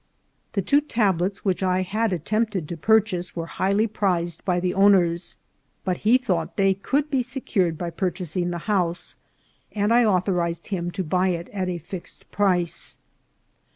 The two tablets which I had attempted to purchase were highly prized by the owners, but he thought they could be secured by purchasing the house, and I authorized him to buy it at a fixed price.